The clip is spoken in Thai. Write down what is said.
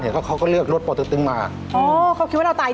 เฮ้ยเสียงอะไรขนาดนี้